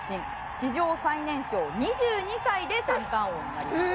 史上最年少２２歳で三冠王になりました。